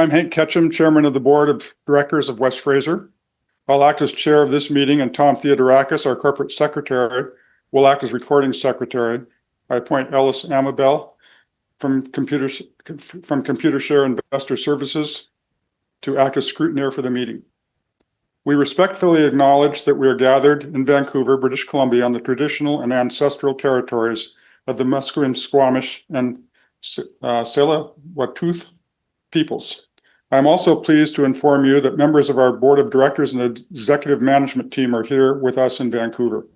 I'm Hank Ketcham, Chairman of the Board of Directors of West Fraser. I'll act as Chair of this meeting, and Tom Theodorakis, our Corporate Secretary, will act as recording secretary. I appoint Ellis Amabel from Computershare Investor Services to act as scrutineer for the meeting. We respectfully acknowledge that we are gathered in Vancouver, British Columbia, on the traditional and ancestral territories of the Musqueam, Squamish, and Tsleil-Waututh peoples. I'm also pleased to inform you that members of our board of directors and executive management team are here with us in Vancouver.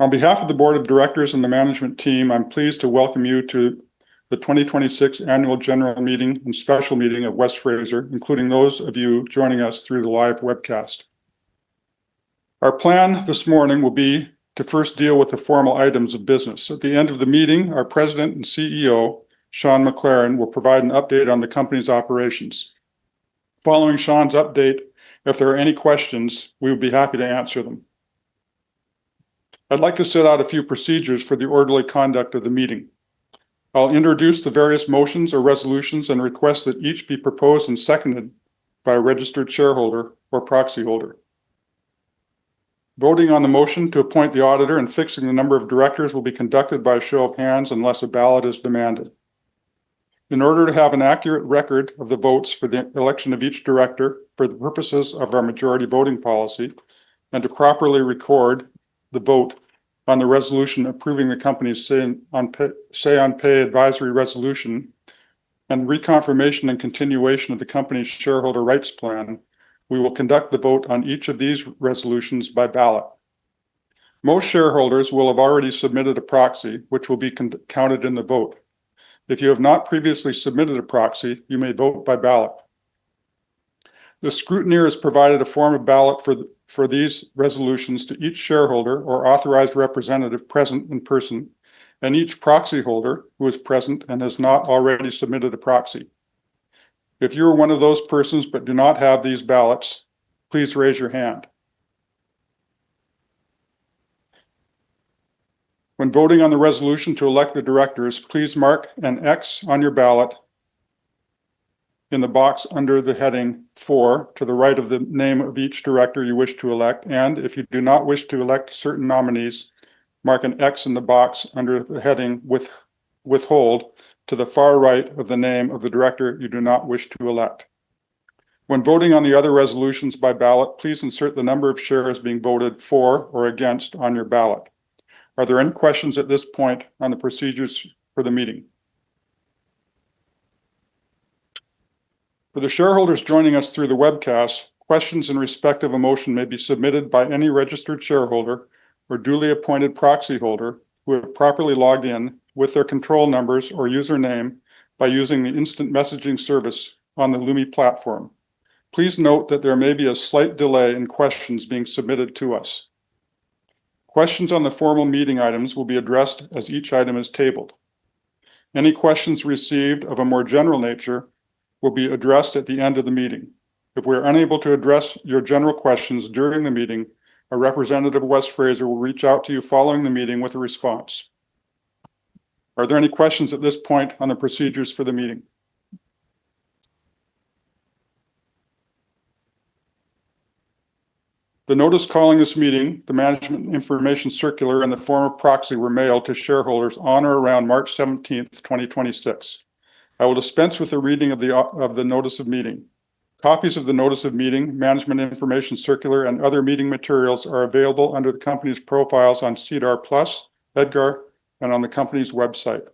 On behalf of the board of directors and the management team, I'm pleased to welcome you to the 2026 Annual General Meeting and Special Meeting of West Fraser, including those of you joining us through the live webcast. Our plan this morning will be to first deal with the formal items of business. At the end of the meeting, our President and CEO, Sean McLaren, will provide an update on the company's operations. Following Sean's update, if there are any questions, we would be happy to answer them. I'd like to set out a few procedures for the orderly conduct of the meeting. I'll introduce the various motions or resolutions and request that each be proposed and seconded by a registered shareholder or proxyholder. Voting on the motion to appoint the auditor and fixing the number of directors will be conducted by a show of hands unless a ballot is demanded. In order to have an accurate record of the votes for the election of each director for the purposes of our majority voting policy and to properly record the vote on the resolution approving the company's Say-on-Pay Advisory Resolution and reconfirmation and continuation of the company's Shareholder Rights Plan, we will conduct the vote on each of these resolutions by ballot. Most shareholders will have already submitted a proxy, which will be counted in the vote. If you have not previously submitted a proxy, you may vote by ballot. The scrutineer has provided a form of ballot for these resolutions to each shareholder or authorized representative present in person and each proxyholder who is present and has not already submitted a proxy. If you're one of those persons but do not have these ballots, please raise your hand. When voting on the resolution to elect the directors, please mark an X on your ballot in the box under the heading "For" to the right of the name of each director you wish to elect. If you do not wish to elect certain nominees, mark an X in the box under the heading "Withhold" to the far right of the name of the director you do not wish to elect. When voting on the other resolutions by ballot, please insert the number of shares being voted for or against on your ballot. Are there any questions at this point on the procedures for the meeting? For the shareholders joining us through the webcast, questions in respect of a motion may be submitted by any registered shareholder or duly appointed proxyholder who have properly logged in with their control numbers or username by using the instant messaging service on the Lumi platform. Please note that there may be a slight delay in questions being submitted to us. Questions on the formal meeting items will be addressed as each item is tabled. Any questions received of a more general nature will be addressed at the end of the meeting. If we are unable to address your general questions during the meeting, a representative of West Fraser will reach out to you following the meeting with a response. Are there any questions at this point on the procedures for the meeting? The notice calling this meeting, the management information circular, and the form of proxy were mailed to shareholders on or around March 17th, 2026. I will dispense with the reading of the notice of meeting. Copies of the notice of meeting, management information circular, and other meeting materials are available under the company's profiles on SEDAR+, EDGAR, and on the company's website.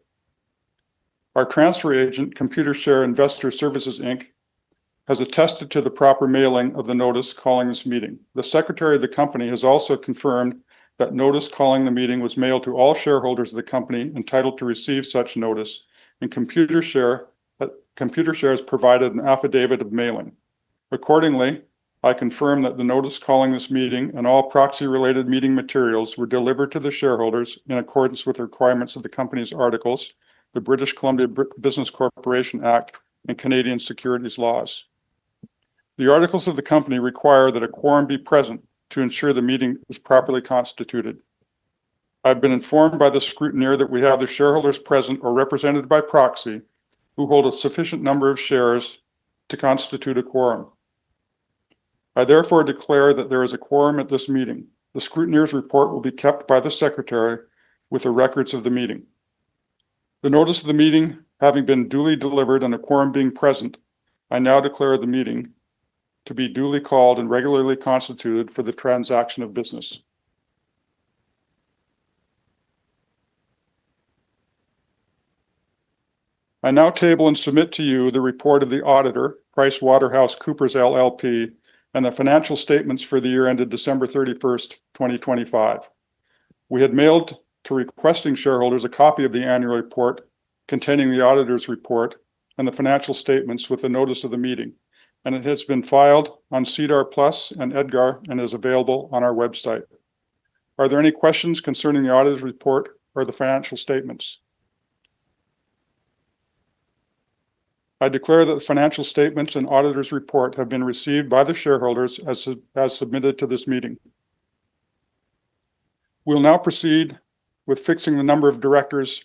Our transfer agent, Computershare Investor Services Inc., has attested to the proper mailing of the notice calling this meeting. The secretary of the company has also confirmed that the notice calling the meeting was mailed to all shareholders of the company entitled to receive such notice, and Computershare has provided an affidavit of mailing. Accordingly, I confirm that the notice calling this meeting and all proxy-related meeting materials were delivered to the shareholders in accordance with the requirements of the company's articles, the Business Corporations Act (British Columbia), and Canadian securities laws. The articles of the company require that a quorum be present to ensure the meeting is properly constituted. I've been informed by the scrutineer that we have the shareholders present or represented by proxy who hold a sufficient number of shares to constitute a quorum. I therefore declare that there is a quorum at this meeting. The scrutineer's report will be kept by the secretary with the records of the meeting. The notice of the meeting having been duly delivered and a quorum being present, I now declare the meeting to be duly called and regularly constituted for the transaction of business. I now table and submit to you the report of the auditor, PricewaterhouseCoopers LLP, and the financial statements for the year ended December 31st, 2025. We had mailed to requesting shareholders a copy of the annual report containing the auditor's report and the financial statements with the notice of the meeting, and it has been filed on SEDAR+ and EDGAR and is available on our website. Are there any questions concerning the auditor's report or the financial statements? I declare that the financial statements and auditor's report have been received by the shareholders as submitted to this meeting. We'll now proceed with fixing the number of directors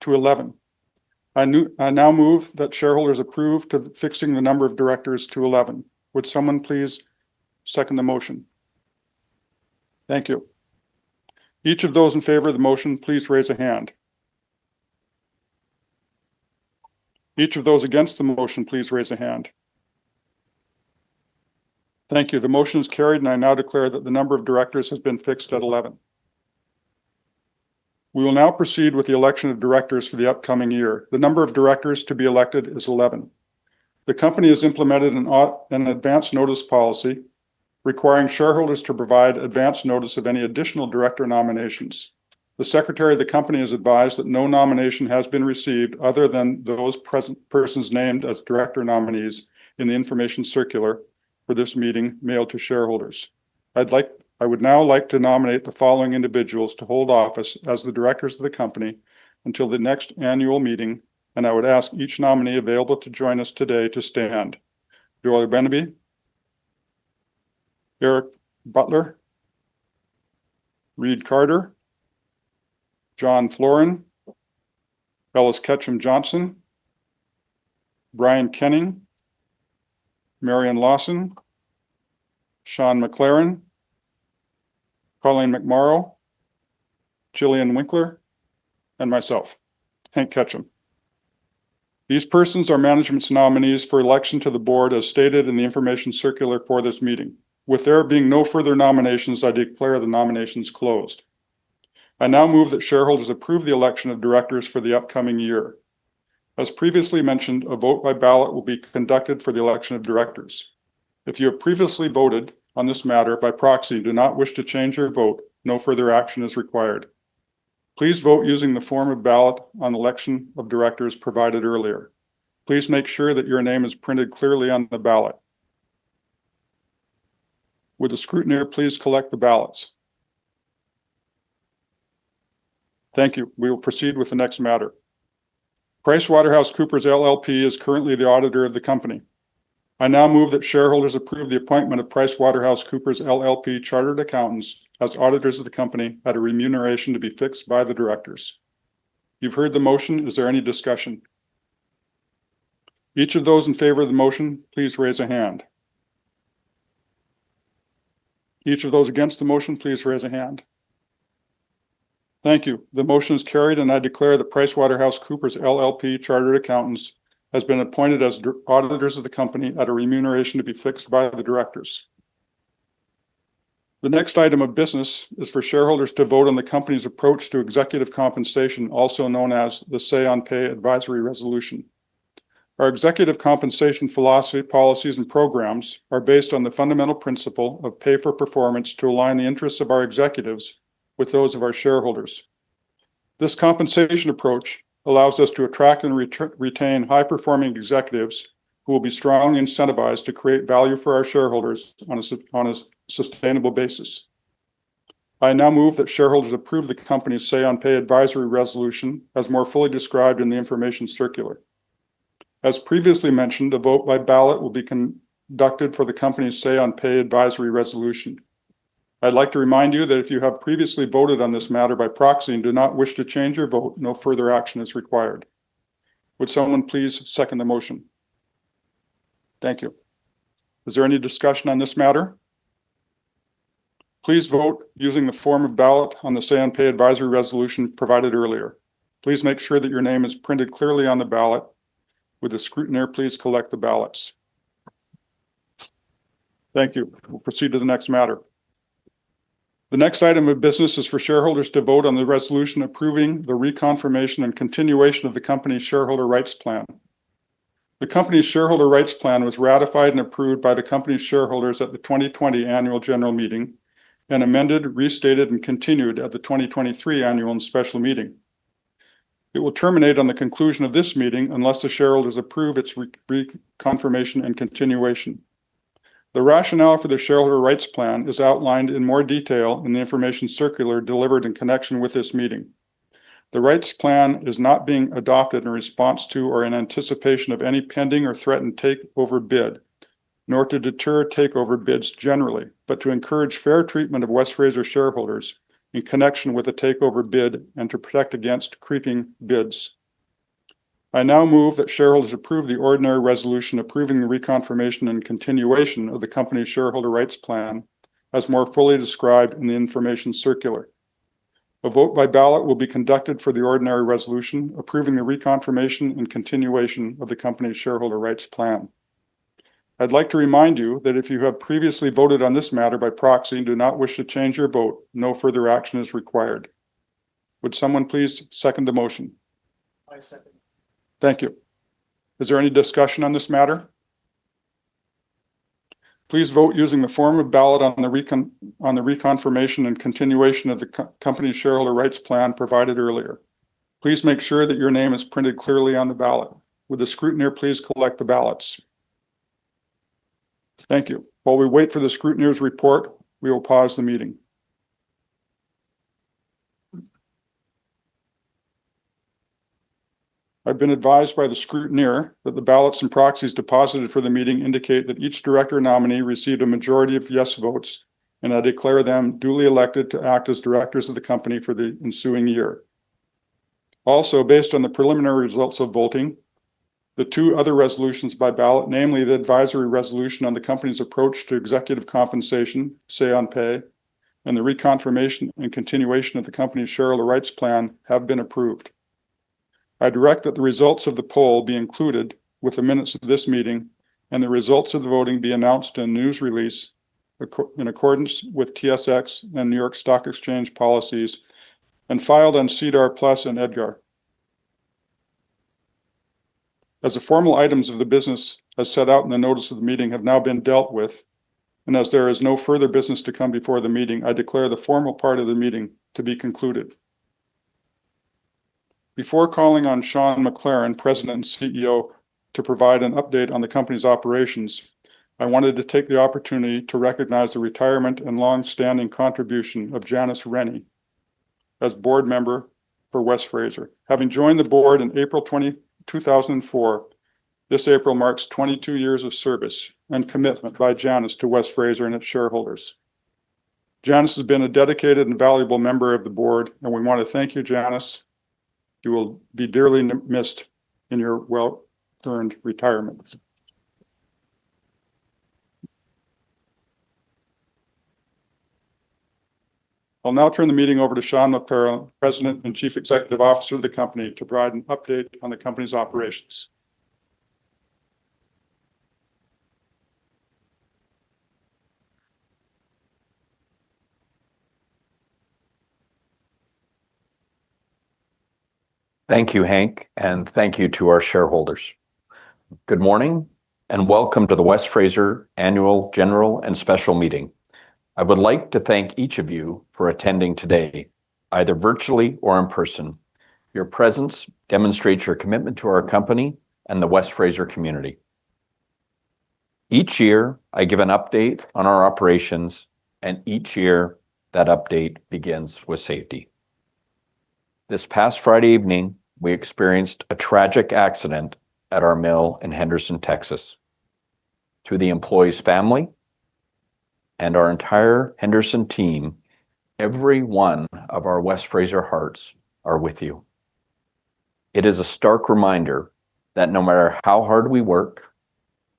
to 11. I now move that shareholders approve to fixing the number of directors to 11. Would someone please second the motion? Thank you. Each of those in favor of the motion, please raise a hand. Each of those against the motion, please raise a hand. Thank you. The motion is carried, and I now declare that the number of directors has been fixed at 11. We will now proceed with the election of directors for the upcoming year. The number of directors to be elected is 11. The company has implemented an advance notice policy requiring shareholders to provide advance notice of any additional director nominations. The secretary of the company has advised that no nomination has been received other than those persons named as director nominees in the information circular for this meeting mailed to shareholders. I would now like to nominate the following individuals to hold office as the directors of the company until the next annual meeting, and I would ask each nominee available to join us today to stand. Doyle Beneby, Eric Butler, Reid Carter, John Floren, Ellis Ketcham Johnson, Brian Kenning, Marian Lawson, Sean McLaren, Colleen McMorrow, Gillian Winckler, and myself, Hank Ketcham. These persons are management's nominees for election to the board as stated in the information circular for this meeting. With there being no further nominations, I declare the nominations closed. I now move that shareholders approve the election of directors for the upcoming year. As previously mentioned, a vote by ballot will be conducted for the election of directors. If you have previously voted on this matter by proxy and do not wish to change your vote, no further action is required. Please vote using the form of ballot on election of directors provided earlier. Please make sure that your name is printed clearly on the ballot. Would the scrutineer please collect the ballots? Thank you. We will proceed with the next matter. PricewaterhouseCoopers LLP is currently the auditor of the company. I now move that shareholders approve the appointment of PricewaterhouseCoopers LLP Chartered Accountants as auditors of the company at a remuneration to be fixed by the directors. You've heard the motion. Is there any discussion? Each of those in favor of the motion, please raise a hand. Each of those against the motion, please raise a hand. Thank you. The motion is carried, and I declare that PricewaterhouseCoopers LLP Chartered Accountants has been appointed as auditors of the company at a remuneration to be fixed by the directors. The next item of business is for shareholders to vote on the company's approach to executive compensation, also known as the Say on Pay Advisory Resolution. Our executive compensation philosophy, policies, and programs are based on the fundamental principle of pay for performance to align the interests of our executives with those of our shareholders. This compensation approach allows us to attract and retain high-performing executives who will be strongly incentivized to create value for our shareholders on a sustainable basis. I now move that shareholders approve the company's Say on Pay Advisory Resolution as more fully described in the information circular. As previously mentioned, a vote by ballot will be conducted for the company's Say on Pay Advisory Resolution. I'd like to remind you that if you have previously voted on this matter by proxy and do not wish to change your vote, no further action is required. Would someone please second the motion? Thank you. Is there any discussion on this matter? Please vote using the form of ballot on the Say on Pay Advisory Resolution provided earlier. Please make sure that your name is printed clearly on the ballot. Would the scrutineer please collect the ballots? Thank you. We'll proceed to the next matter. The next item of business is for shareholders to vote on the resolution approving the reconfirmation and continuation of the company's Shareholder Rights Plan. The company's Shareholder Rights Plan was ratified and approved by the company's shareholders at the 2020 Annual General Meeting and amended, restated, and continued at the 2023 Annual and Special Meeting. It will terminate on the conclusion of this meeting unless the shareholders approve its reconfirmation and continuation. The rationale for the Shareholder Rights Plan is outlined in more detail in the information circular delivered in connection with this meeting. The rights plan is not being adopted in response to or in anticipation of any pending or threatened takeover bid, nor to deter takeover bids generally, but to encourage fair treatment of West Fraser shareholders in connection with a takeover bid and to protect against creeping bids. I now move that shareholders approve the ordinary resolution approving the reconfirmation and continuation of the company's Shareholder Rights Plan as more fully described in the information circular. A vote by ballot will be conducted for the ordinary resolution approving the reconfirmation and continuation of the company's Shareholder Rights Plan. I'd like to remind you that if you have previously voted on this matter by proxy and do not wish to change your vote, no further action is required. Would someone please second the motion? I second. Thank you. Is there any discussion on this matter? Please vote using the form of ballot on the reconfirmation and continuation of the company's Shareholder Rights Plan provided earlier. Please make sure that your name is printed clearly on the ballot. Would the scrutineer please collect the ballots? Thank you. While we wait for the scrutineer's report, we will pause the meeting. I've been advised by the scrutineer that the ballots and proxies deposited for the meeting indicate that each director nominee received a majority of yes votes, and I declare them duly elected to act as directors of the company for the ensuing year. Also, based on the preliminary results of voting, the two other resolutions by ballot, namely the advisory resolution on the company's approach to executive compensation, Say on Pay, and the reconfirmation and continuation of the company's Shareholder Rights Plan, have been approved. I direct that the results of the poll be included with the minutes of this meeting, and the results of the voting be announced in a news release in accordance with TSX and New York Stock Exchange policies and filed on SEDAR+ and EDGAR. As the formal items of the business as set out in the notice of the meeting have now been dealt with, and as there is no further business to come before the meeting, I declare the formal part of the meeting to be concluded. Before calling on Sean McLaren, President and CEO, to provide an update on the company's operations, I wanted to take the opportunity to recognize the retirement and long-standing contribution of Janice Rennie as board member for West Fraser. Having joined the board in April 2004, this April marks 22 years of service and commitment by Janice to West Fraser and its shareholders. Janice has been a dedicated and valuable member of the board, and we want to thank you, Janice. You will be dearly missed in your well-earned retirement. I'll now turn the meeting over to Sean McLaren, President and Chief Executive Officer of the company, to provide an update on the company's operations. Thank you, Hank, and thank you to our shareholders. Good morning, and welcome to the West Fraser Annual General and Special Meeting. I would like to thank each of you for attending today, either virtually or in person. Your presence demonstrates your commitment to our company and the West Fraser community. Each year, I give an update on our operations, and each year, that update begins with safety. This past Friday evening, we experienced a tragic accident at our mill in Henderson, Texas. To the employee's family and our entire Henderson team, every one of our West Fraser hearts are with you. It is a stark reminder that no matter how hard we work,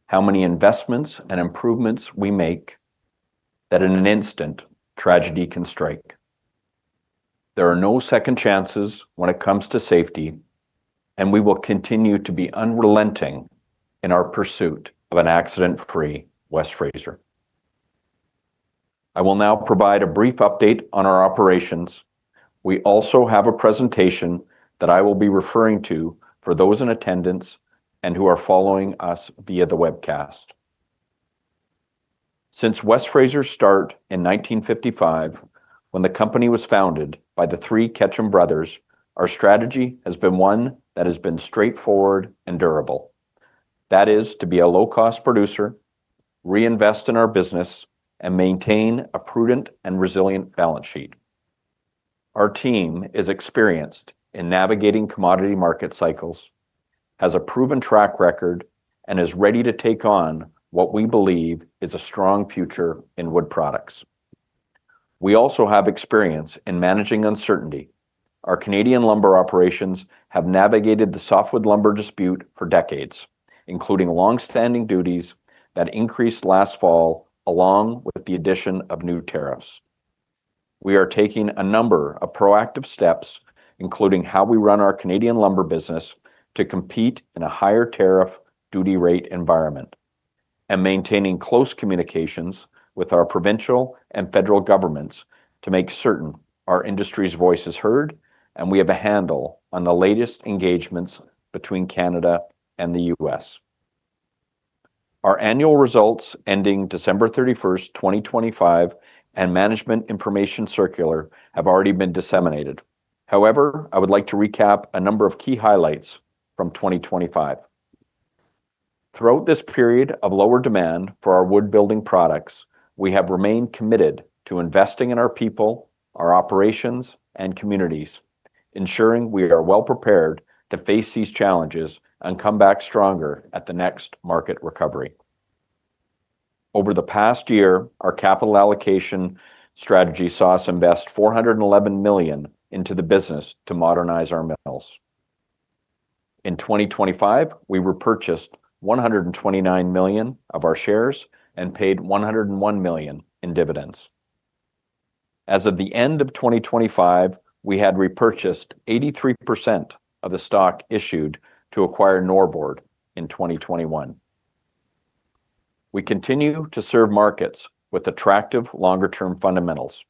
how many investments and improvements we make, that in an instant, tragedy can strike. There are no second chances when it comes to safety, and we will continue to be unrelenting in our pursuit of an accident-free West Fraser. I will now provide a brief update on our operations. We also have a presentation that I will be referring to for those in attendance and who are following us via the webcast. Since West Fraser's start in 1955, when the company was founded by the three Ketcham brothers, our strategy has been one that has been straightforward and durable. That is to be a low-cost producer, reinvest in our business, and maintain a prudent and resilient balance sheet. Our team is experienced in navigating commodity market cycles, has a proven track record, and is ready to take on what we believe is a strong future in wood products. We also have experience in managing uncertainty. Our Canadian lumber operations have navigated the softwood lumber dispute for decades, including long-standing duties that increased last fall, along with the addition of new tariffs. We are taking a number of proactive steps, including how we run our Canadian lumber business, to compete in a higher tariff duty rate environment and maintaining close communications with our provincial and federal governments to make certain our industry's voice is heard and we have a handle on the latest engagements between Canada and the U.S. Our annual results ending December 31st, 2025, and Management Information Circular have already been disseminated. However, I would like to recap a number of key highlights from 2025. Throughout this period of lower demand for our wood-building products, we have remained committed to investing in our people, our operations, and communities, ensuring we are well prepared to face these challenges and come back stronger at the next market recovery. Over the past year, our capital allocation strategy saw us invest 411 million into the business to modernize our mills. In 2025, we repurchased 129 million of our shares and paid 101 million in dividends. As of the end of 2025, we had repurchased 83% of the stock issued to acquire Norbord in 2021. We continue to serve markets with attractive longer-term fundamentals,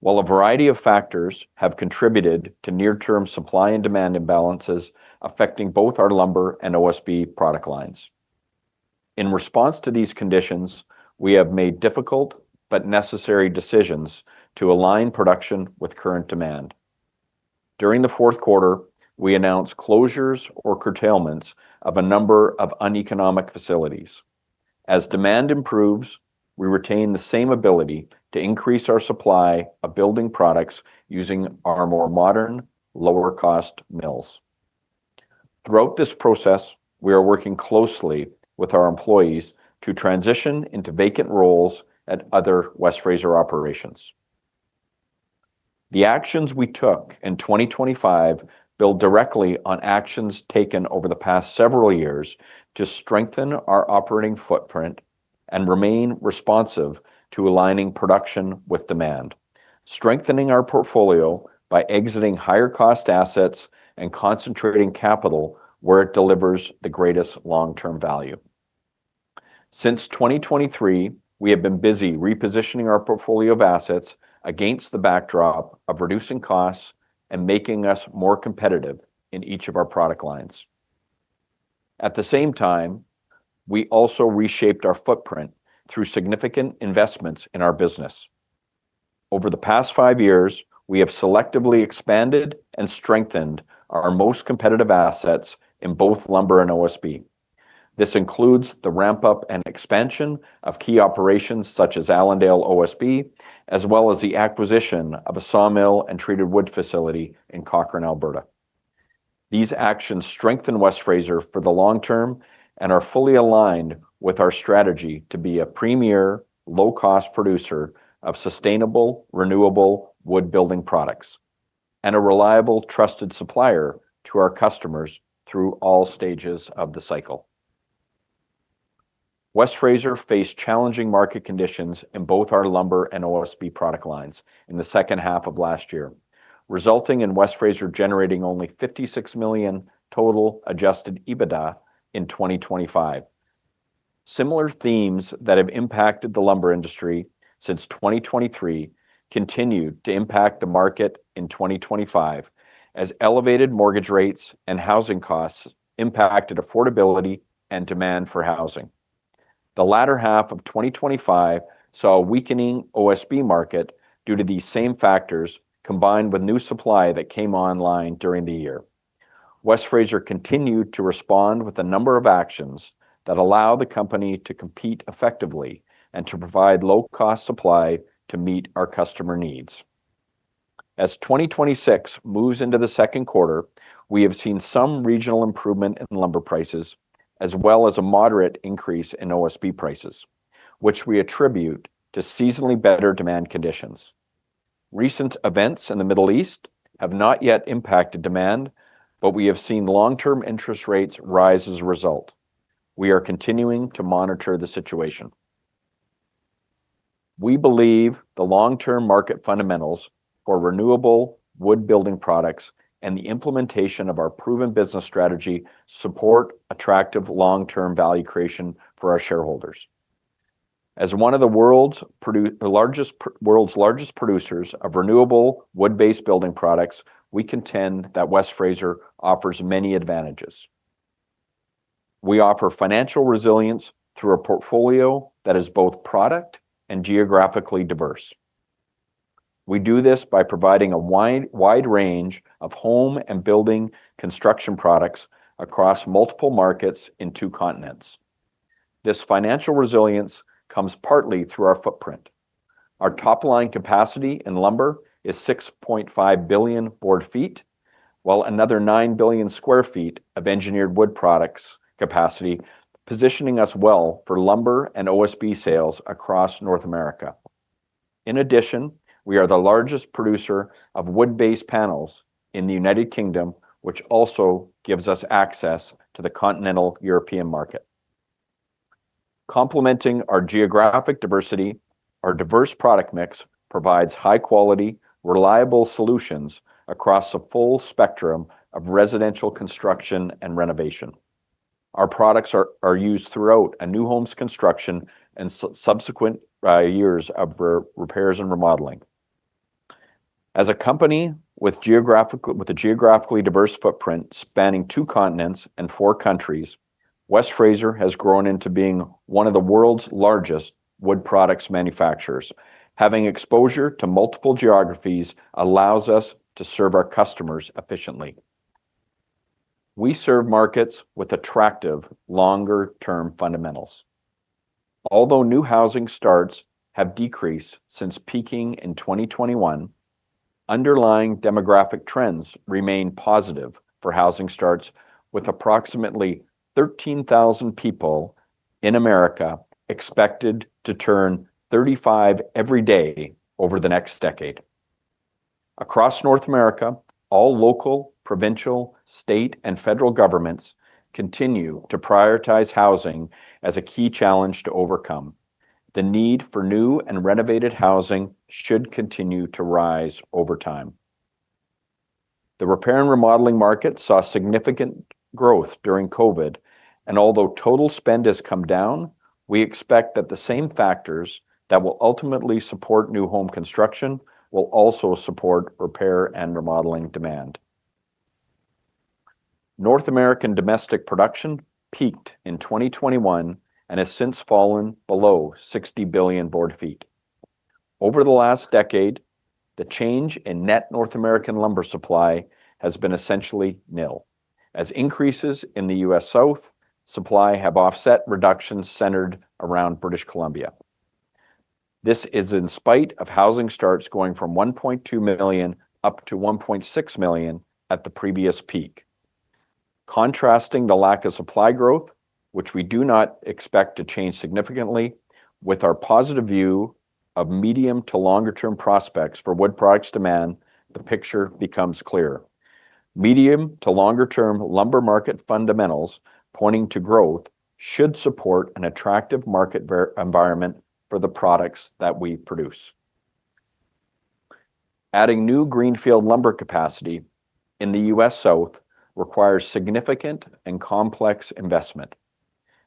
while a variety of factors have contributed to near-term supply and demand imbalances affecting both our lumber and OSB product lines. In response to these conditions, we have made difficult but necessary decisions to align production with current demand. During the fourth quarter, we announced closures or curtailments of a number of uneconomic facilities. As demand improves, we retain the same ability to increase our supply of building products using our more modern, lower cost mills. Throughout this process, we are working closely with our employees to transition into vacant roles at other West Fraser operations. The actions we took in 2025 build directly on actions taken over the past several years to strengthen our operating footprint and remain responsive to aligning production with demand, strengthening our portfolio by exiting higher cost assets and concentrating capital where it delivers the greatest long-term value. Since 2023, we have been busy repositioning our portfolio of assets against the backdrop of reducing costs and making us more competitive in each of our product lines. At the same time, we also reshaped our footprint through significant investments in our business. Over the past five years, we have selectively expanded and strengthened our most competitive assets in both lumber and OSB. This includes the ramp up and expansion of key operations such as Allendale OSB, as well as the acquisition of a sawmill and treated wood facility in Cochrane, Alberta. These actions strengthen West Fraser for the long term and are fully aligned with our strategy to be a premier, low-cost producer of sustainable, renewable wood building products, and a reliable, trusted supplier to our customers through all stages of the cycle. West Fraser faced challenging market conditions in both our lumber and OSB product lines in the second half of last year, resulting in West Fraser generating only 56 million total Adjusted EBITDA in 2025. Similar themes that have impacted the lumber industry since 2023 continued to impact the market in 2025 as elevated mortgage rates and housing costs impacted affordability and demand for housing. The latter half of 2025 saw a weakening OSB market due to these same factors, combined with new supply that came online during the year. West Fraser continued to respond with a number of actions that allow the company to compete effectively and to provide low-cost supply to meet our customer needs. As 2026 moves into the second quarter, we have seen some regional improvement in lumber prices, as well as a moderate increase in OSB prices, which we attribute to seasonally better demand conditions. Recent events in the Middle East have not yet impacted demand, but we have seen long-term interest rates rise as a result. We are continuing to monitor the situation. We believe the long-term market fundamentals for renewable wood building products and the implementation of our proven business strategy support attractive long-term value creation for our shareholders. As one of the world's largest producers of renewable wood-based building products, we contend that West Fraser offers many advantages. We offer financial resilience through a portfolio that is both product and geographically diverse. We do this by providing a wide range of home and building construction products across multiple markets in two continents. This financial resilience comes partly through our footprint. Our top-line capacity in lumber is 6.5 billion board feet, while another 9 billion square feet of engineered wood products capacity, positioning us well for lumber and OSB sales across North America. In addition, we are the largest producer of wood-based panels in the United Kingdom, which also gives us access to the continental European market. Complementing our geographic diversity, our diverse product mix provides high-quality, reliable solutions across a full spectrum of residential construction and renovation. Our products are used throughout a new home's construction and subsequent years of repairs and remodeling. As a company with a geographically diverse footprint spanning two continents and four countries, West Fraser has grown into being one of the world's largest wood products manufacturers. Having exposure to multiple geographies allows us to serve our customers efficiently. We serve markets with attractive longer-term fundamentals. Although new housing starts have decreased since peaking in 2021, underlying demographic trends remain positive for housing starts with approximately 13,000 people in America expected to turn 35 every day over the next decade. Across North America, all local, provincial, state, and federal governments continue to prioritize housing as a key challenge to overcome. The need for new and renovated housing should continue to rise over time. The repair and remodeling market saw significant growth during COVID, and although total spend has come down, we expect that the same factors that will ultimately support new home construction will also support repair and remodeling demand. North American domestic production peaked in 2021 and has since fallen below 60 billion board feet. Over the last decade, the change in net North American lumber supply has been essentially nil, as increases in the U.S. South supply have offset reductions centered around British Columbia. This is in spite of housing starts going from 1.2 million up to 1.6 million at the previous peak. Contrasting the lack of supply growth, which we do not expect to change significantly, with our positive view of medium to longer-term prospects for wood products demand, the picture becomes clearer. Medium to longer-term lumber market fundamentals pointing to growth should support an attractive market environment for the products that we produce. Adding new greenfield lumber capacity in the U.S. South requires significant and complex investment,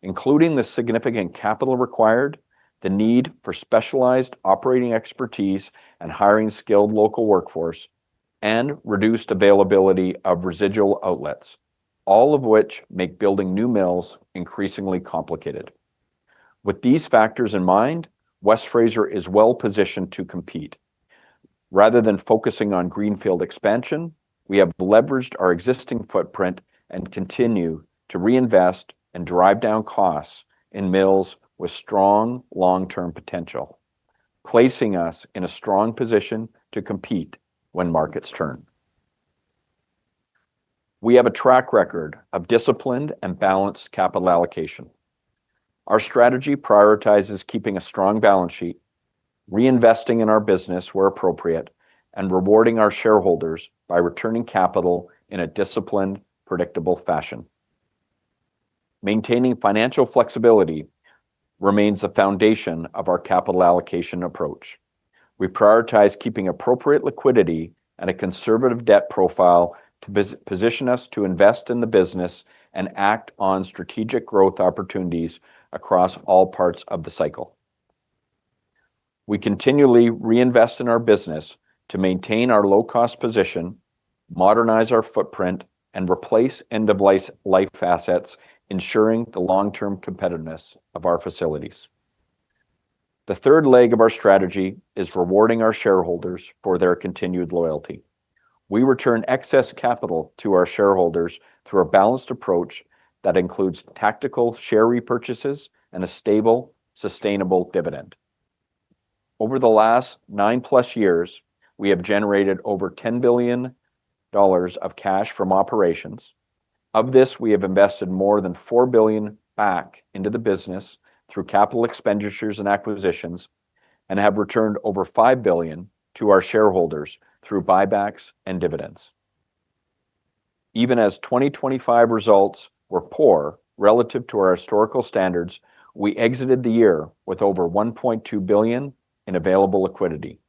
including the significant capital required, the need for specialized operating expertise and hiring skilled local workforce, and reduced availability of residual outlets, all of which make building new mills increasingly complicated. With these factors in mind, West Fraser is well-positioned to compete. Rather than focusing on greenfield expansion, we have leveraged our existing footprint and continue to reinvest and drive down costs in mills with strong long-term potential, placing us in a strong position to compete when markets turn. We have a track record of disciplined and balanced capital allocation. Our strategy prioritizes keeping a strong balance sheet, reinvesting in our business where appropriate, and rewarding our shareholders by returning capital in a disciplined, predictable fashion. Maintaining financial flexibility remains the foundation of our capital allocation approach. We prioritize keeping appropriate liquidity and a conservative debt profile to position us to invest in the business and act on strategic growth opportunities across all parts of the cycle. We continually reinvest in our business to maintain our low-cost position, modernize our footprint, and replace end-of-life assets, ensuring the long-term competitiveness of our facilities. The third leg of our strategy is rewarding our shareholders for their continued loyalty. We return excess capital to our shareholders through a balanced approach that includes tactical share repurchases and a stable, sustainable dividend. Over the last nine-plus years, we have generated over $10 billion of cash from operations. Of this, we have invested more than $4 billion back into the business through capital expenditures and acquisitions and have returned over $5 billion to our shareholders through buybacks and dividends. Even as 2025 results were poor relative to our historical standards, we exited the year with over $1.2 billion in available liquidity.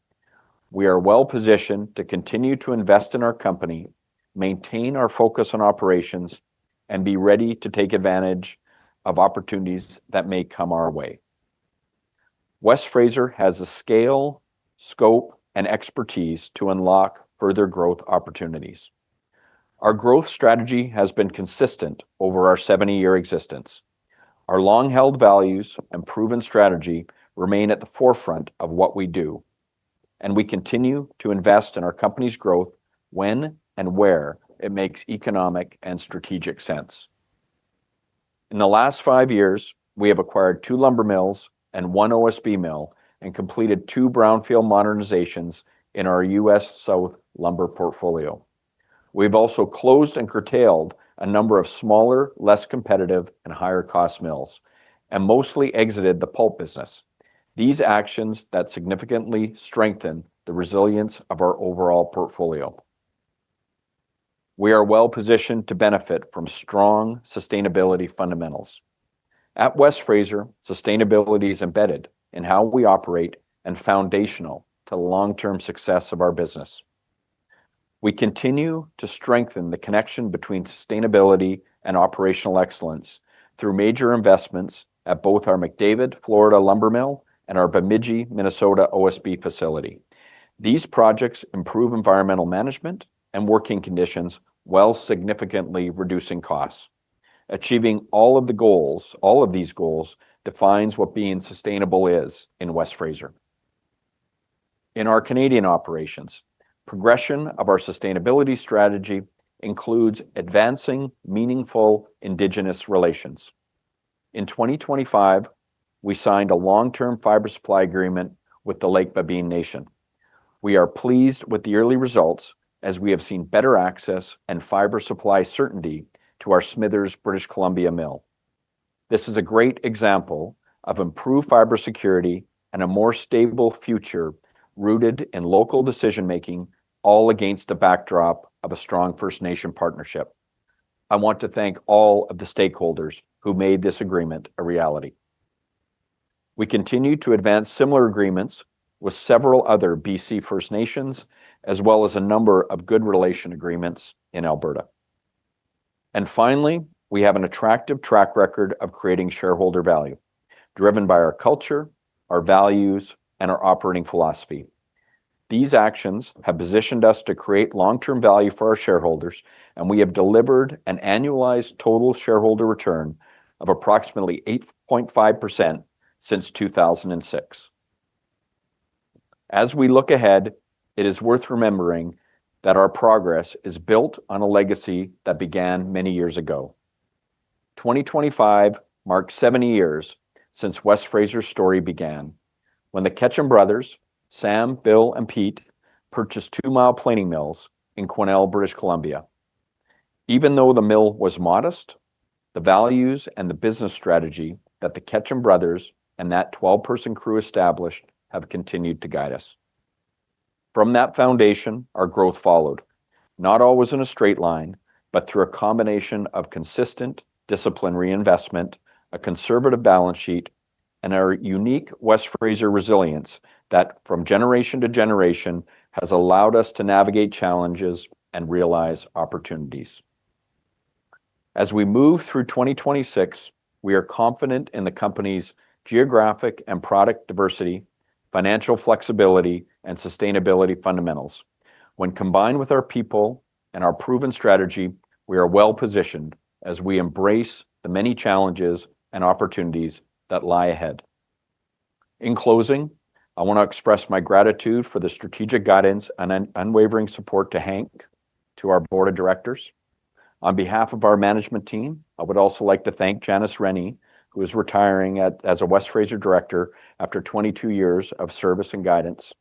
We are well-positioned to continue to invest in our company, maintain our focus on operations, and be ready to take advantage of opportunities that may come our way. West Fraser has the scale, scope, and expertise to unlock further growth opportunities. Our growth strategy has been consistent over our 70-year existence. Our long-held values and proven strategy remain at the forefront of what we do, and we continue to invest in our company's growth when and where it makes economic and strategic sense. In the last five years, we have acquired two lumber mills and one OSB mill and completed two brownfield modernizations in our U.S. South lumber portfolio. We've also closed and curtailed a number of smaller, less competitive, and higher-cost mills and mostly exited the pulp business. These actions that significantly strengthen the resilience of our overall portfolio. We are well-positioned to benefit from strong sustainability fundamentals. At West Fraser, sustainability is embedded in how we operate and foundational to the long-term success of our business. We continue to strengthen the connection between sustainability and operational excellence through major investments at both our McDavid, Florida lumber mill and our Bemidji, Minnesota OSB facility. These projects improve environmental management and working conditions while significantly reducing costs. Achieving all of these goals defines what being sustainable is in West Fraser. In our Canadian operations, progression of our sustainability strategy includes advancing meaningful Indigenous relations. In 2025, we signed a long-term fiber supply agreement with the Lake Babine Nation. We are pleased with the early results as we have seen better access and fiber supply certainty to our Smithers, British Columbia mill. This is a great example of improved fiber security and a more stable future rooted in local decision-making, all against the backdrop of a strong First Nation partnership. I want to thank all of the stakeholders who made this agreement a reality. We continue to advance similar agreements with several other BC First Nations, as well as a number of good relation agreements in Alberta. Finally, we have an attractive track record of creating shareholder value driven by our culture, our values, and our operating philosophy. These actions have positioned us to create long-term value for our shareholders, and we have delivered an annualized total shareholder return of approximately 8.5% since 2006. As we look ahead, it is worth remembering that our progress is built on a legacy that began many years ago. 2025 marks 70 years since West Fraser's story began when the Ketcham brothers, Sam, Bill, and Pete, purchased Two Mile Planing Mills in Quesnel, British Columbia. Even though the mill was modest, the values and the business strategy that the Ketcham brothers and that 12-person crew established have continued to guide us. From that foundation, our growth followed, not always in a straight line, but through a combination of consistent discipline reinvestment, a conservative balance sheet, and our unique West Fraser resilience that, from generation to generation, has allowed us to navigate challenges and realize opportunities. As we move through 2026, we are confident in the company's geographic and product diversity, financial flexibility, and sustainability fundamentals. When combined with our people and our proven strategy, we are well-positioned as we embrace the many challenges and opportunities that lie ahead. In closing, I want to express my gratitude for the strategic guidance and unwavering support to Hank, to our board of directors. On behalf of our management team, I would also like to thank Janice Rennie, who is retiring as a West Fraser director after 22 years of service and guidance.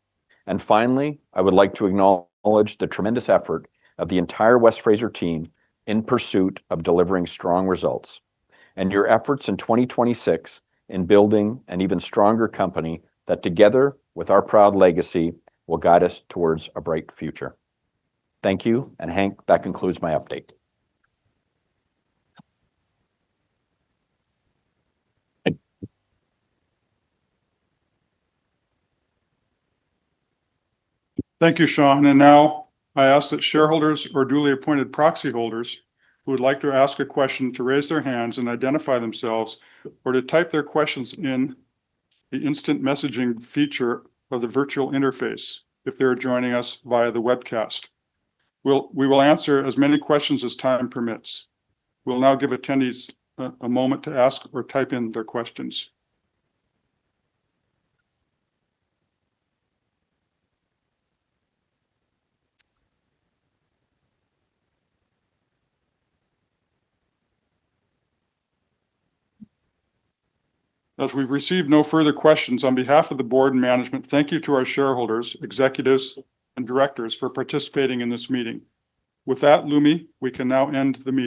Finally, I would like to acknowledge the tremendous effort of the entire West Fraser team in pursuit of delivering strong results, and your efforts in 2026 in building an even stronger company that, together with our proud legacy, will guide us towards a bright future. Thank you. And Hank, that concludes my update. Thank you, Sean. Now I ask that shareholders or duly appointed proxy holders who would like to ask a question to raise their hands and identify themselves, or to type their questions in the instant messaging feature of the virtual interface if they are joining us via the webcast. We will answer as many questions as time permits. We'll now give attendees a moment to ask or type in their questions. As we've received no further questions, on behalf of the board and management, thank you to our shareholders, executives, and directors for participating in this meeting. With that, Lumi, we can now end the meeting.